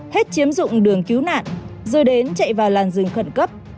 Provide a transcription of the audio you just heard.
hết chiếm dụng đường cứu nạn rồi đến chạy vào làn rừng khẩn cấp